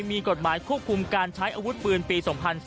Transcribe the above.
มีกฎหมายควบคุมการใช้อาวุธปืนปี๒๔